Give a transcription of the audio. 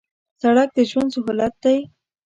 سړک د ژوند سهولت دی